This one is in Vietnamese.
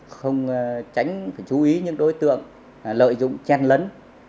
không tránh phải chú ý những đối tượng lợi dụng chen lấn